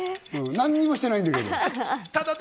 何もしてないんだけど。